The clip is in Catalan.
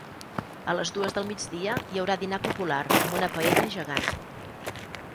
A les dues del migdia hi haurà dinar popular amb una paella gegant.